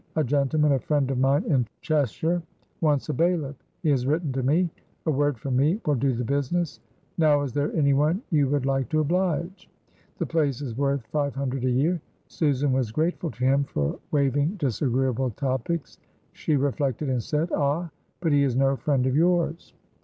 A gentleman, a friend of mine in Cheshire, wants a bailiff. He has written to me. A word from me will do the business. Now is there any one you would like to oblige? The place is worth five hundred a year." Susan was grateful to him for waiving disagreeable topics. She reflected and said: "Ah! but he is no friend of yours."